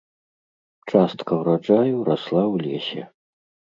Частка ўраджаю расла ў лесе.